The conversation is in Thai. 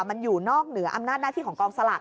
มันอยู่นอกเหนืออำนาจหน้าที่ของกองสลาก